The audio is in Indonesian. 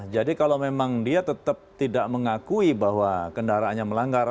jadi kalau memang dia tetap tidak mengakui bahwa kendaraannya melanggar